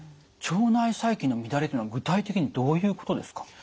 腸内細菌の乱れというのは具体的にどういうことですか？